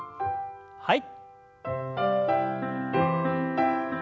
はい。